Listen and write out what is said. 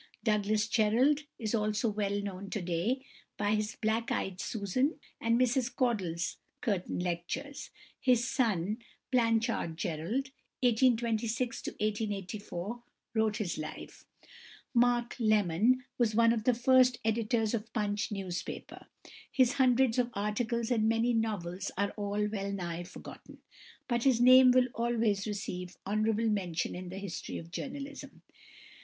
=Douglas Jerrold (1803 1857)= is also well known to day by his "Black eyed Susan" and "Mrs Caudle's Curtain Lectures." His son, Blanchard Jerrold (1826 1884), wrote his life. =Mark Lemon (1809 1870)= was one of the first editors of Punch newspaper. His hundreds of articles and many novels are all well nigh forgotten, but his name will always receive honourable mention in the history of journalism.